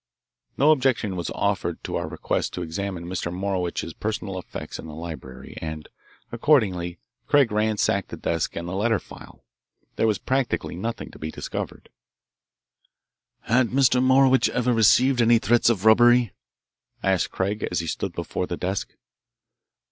No objection was offered to our request to examine Mr. Morowitch's personal effects in the library, and accordingly Craig ransacked the desk and the letter file. There was practically nothing to be discovered. "Had Mr. Morowitch ever received any threats of robbery?" asked Craig, as he stood before the desk.